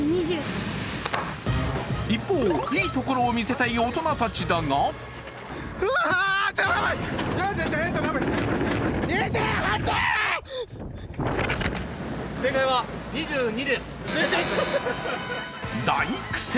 一方、いいところを見せたい大人たちだが大苦戦！